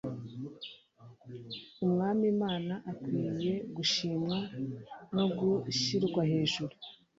Umwami Imana akwiye gushimwa no gushirwa hejuru